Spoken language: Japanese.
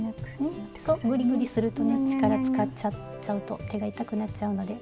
そうグリグリするとね力使っちゃうと手が痛くなっちゃうので。